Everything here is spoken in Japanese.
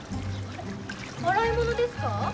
洗い物ですか？